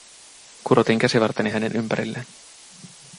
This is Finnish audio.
Kurotin käsivarteni hänen ympärilleen.